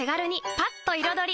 パッと彩り！